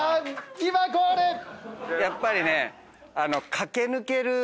やっぱりね。